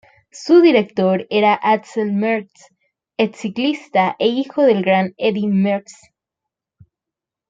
Su director era Axel Merckx, exciclista e hijo del gran Eddy Merckx.